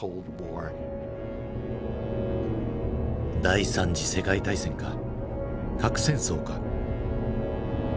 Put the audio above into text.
第三次世界大戦か核戦争か。